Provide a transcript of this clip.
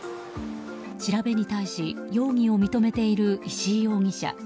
調べに対し、容疑を認めている石井容疑者。